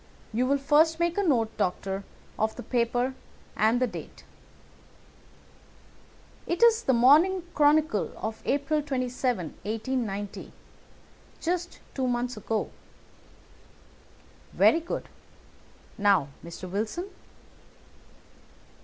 You will first make a note, Doctor, of the paper and the date." "It is The Morning Chronicle of April 27, 1890. Just two months ago." "Very good. Now, Mr. Wilson?"